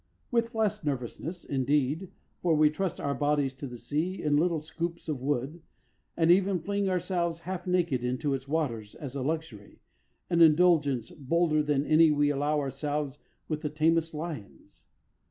With less nervousness, indeed, for we trust our bodies to the sea in little scoops of wood, and even fling ourselves half naked into its waters as a luxury an indulgence bolder than any we allow ourselves with the tamest lions.